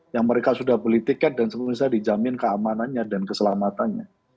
yang mereka sudah beli tiket dan seterusnya dijamin keamanannya dan keselamatannya